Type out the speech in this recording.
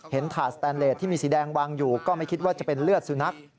ถาดสแตนเลสที่มีสีแดงวางอยู่ก็ไม่คิดว่าจะเป็นเลือดสุนัข